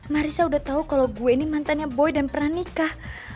marissa udah tau kalau gue ini mantannya boy dan pernah nikah